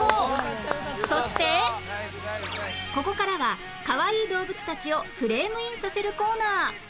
そしてここからはかわいい動物たちをフレームインさせるコーナー